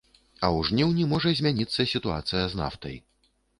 А ў жніўні можа змяніцца сітуацыя з нафтай.